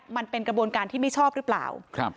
มันเป็นกระบวนการที่ไม่ชอบหรือเปล่าครับ